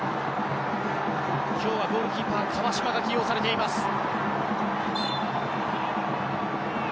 今日はゴールキーパーには川島が起用されています。